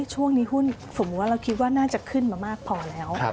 ช่วงนี้หุ้นสมมุติว่าเราคิดว่าน่าจะขึ้นมามากพอแล้ว